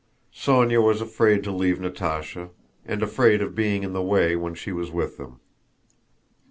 Sónya was afraid to leave Natásha and afraid of being in the way when she was with them.